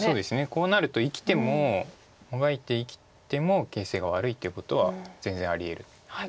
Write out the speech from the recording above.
こうなると生きてももがいて生きても形勢が悪いっていうことは全然ありえる。